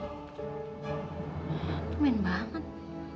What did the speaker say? aku main banget